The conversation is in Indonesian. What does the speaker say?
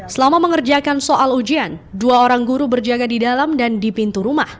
selama mengerjakan soal ujian dua orang guru berjaga di dalam dan di pintu rumah